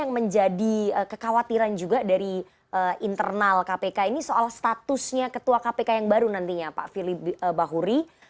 yang menjadi kekhawatiran juga dari internal kpk ini soal statusnya ketua kpk yang baru nantinya pak firly bahuri